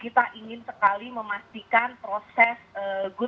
jadi kita ingin sekali memastikan proses kekuatan ini bisa diperlukan